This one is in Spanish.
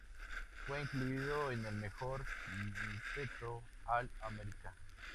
Fue incluido en el Mejor Quinteto All-America.